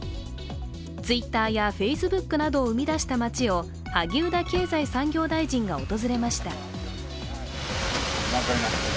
ツイッターやフェイスブックなどを生み出した町を萩生田経済産業大臣が訪れました。